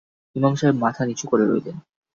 ইমাম সাহেব মাথা নিচু করে রইলেন।